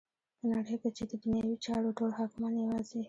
په نړی کی چی ددنیوی چارو ټول حاکمان یواځی